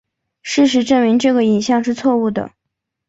事实证明这个影像是错误的。